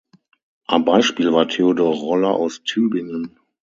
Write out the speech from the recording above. Ein Beispiel war Theodor Roller aus Tübingen.